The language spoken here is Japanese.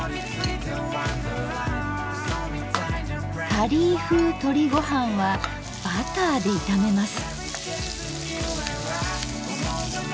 パリーふうとりごはんはバターで炒めます。